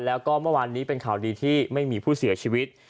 แล้วก็เมื่อวานนี้เป็นข่าวดีที่ไม่มีผู้เสียชีวิต